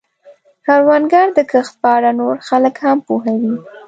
کروندګر د کښت په اړه نور خلک هم پوهوي